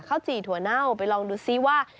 จี่ถั่วเน่าไปลองดูซิว่า